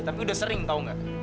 tapi udah sering tau gak